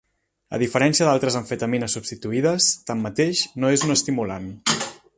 A diferència d'altres amfetamines substituïdes, tanmateix, no és un estimulant.